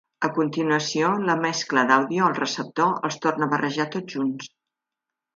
A continuació, la mescla d'àudio al receptor els torna barrejar tots junts.